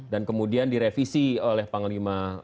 dan kemudian direvisi oleh panglima